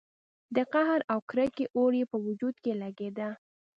د قهر او کرکې اور يې په وجود کې لګېده.